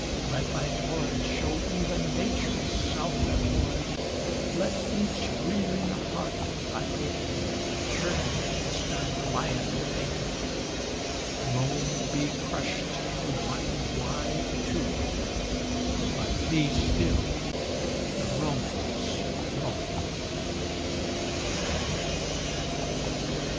let thy torrent Show even nature's self abhorrent. Let each breathing heart dilated Turn, as doth the lion baited: Rome be crushed to one wide tomb, But be still the Roman's Rome!